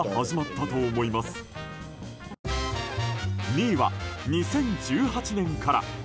２位は２０１８年から。